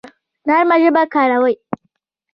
نرمه ژبه کاروئ